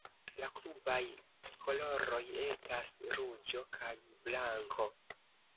La klubaj koloroj estas ruĝo kaj blanko.